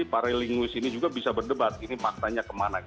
para lingus ini juga bisa berdebat ini maktanya kemana